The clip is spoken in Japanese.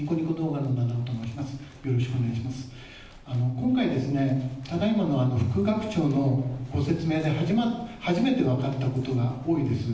今回、ただいまの副学長のご説明で初めて分かったことが多いんです。